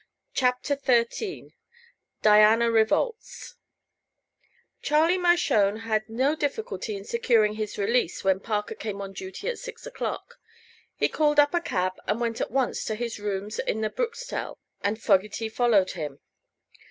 CHAPTER XIII DIANA REVOLTS Charlie Mershone had no difficulty in securing his release when Parker came on duty at six o'clock. He called up a cab and went at once to his rooms at the Bruxtelle; and Fogerty followed him.